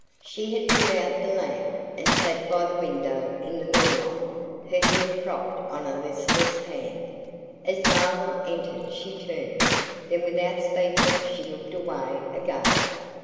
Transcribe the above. She had put out the lamp, and sat by the window in the moonlight, her head propped on a listless hand. As Marvell entered she turned; then, without speaking, she looked away again.